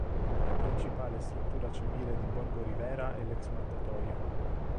La principale struttura civile di Borgo Rivera è l'ex mattatoio.